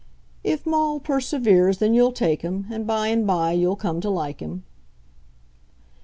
"If Maule perseveres then you'll take him, and by and bye you'll come to like him."